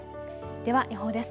では予報です。